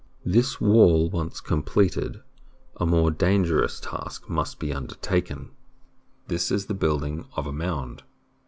This wall once completed, a more dangerous task must be undertaken. This is the building of a mound.